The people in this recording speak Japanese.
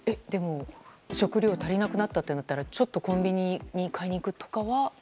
でも、食料が足りなくなったとなったらちょっとコンビニに買いに行くとかは？